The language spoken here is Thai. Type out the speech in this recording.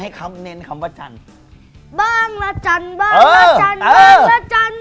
เน้นคำว่าจันทร์บ้างละจันทร์บ้างละจันทร์บ้างละจันทร์